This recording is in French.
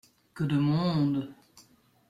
Que de monde !